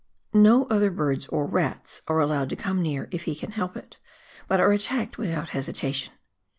No other birds or rats are allowed to come near if he can help it, but are attacked without hesitation.